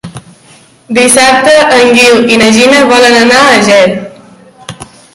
Dissabte en Guiu i na Gina volen anar a Ger.